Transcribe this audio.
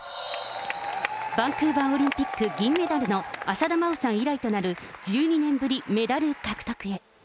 バンクーバーオリンピック銀メダルの浅田真央さん以来となる１２年ぶりメダル獲得へ。